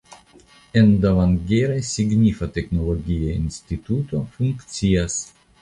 En Davangere signifa teknologia instituto funkcias.